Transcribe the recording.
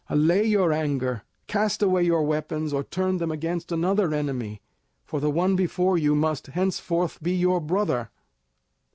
Allay your anger; cast away your weapons, or turn them against another enemy; for the one before you must henceforth be your brother."